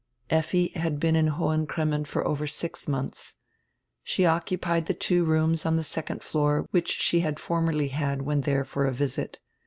Effi had been in Hohen Cremmen for over six mondis. She occupied die two rooms on the second floor which she had formerly had when diere for a visit.